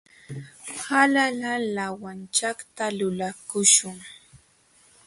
Hala laawachata lulakuśhun.